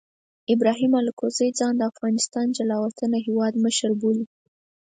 ابراهیم الکوزي ځان د افغانستان جلا وطنه هیواد مشر بولي.